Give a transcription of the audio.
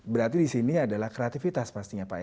berarti di sini adalah kreativitas pastinya pak ya